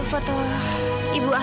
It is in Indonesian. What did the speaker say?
tante yang sudah berubah